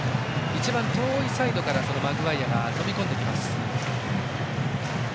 一番遠いサイドからマグワイアが飛び込んできます。